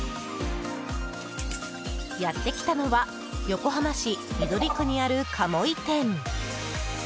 やってきたのは横浜市緑区にある鴨居店。